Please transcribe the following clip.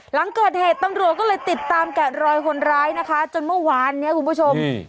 หลังเกิดเหตุตำรวจก็เลยติดตามแกะรอยคนร้ายนะคะจนเมื่อวานเนี้ยคุณผู้ชม